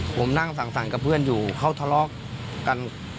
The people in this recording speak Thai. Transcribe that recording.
ผมนั่งสั่งสรรค์กับเพื่อนอยู่เขาทะเลาะกัน